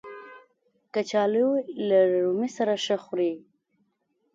کچالو له رومي سره هم ښه خوري